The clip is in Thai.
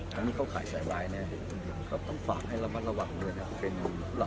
คราวนี้เขาขายลายแสดงแทนต้องฝากให้ระบาดระหว่างเนี่ยครับเป็นผู้ใหญ่แล้ว